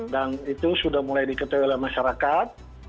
dan itu sudah mulai diketahui oleh masyarakat